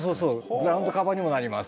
グラウンドカバーにもなります。